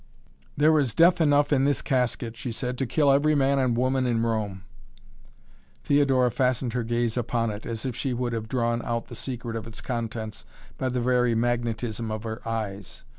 "There is death enough in this casket," she said, "to kill every man and woman in Rome!" Theodora fastened her gaze upon it, as if she would have drawn out the secret of its contents by the very magnetism of her eyes.